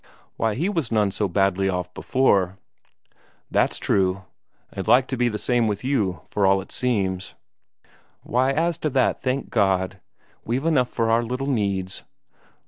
"Why, he was none so badly off before." "That's true. And like to be the same with you, for all it seems." "Why, as to that, thank God, we've enough for our little needs.